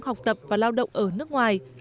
học tập và lao động ở nước ngoài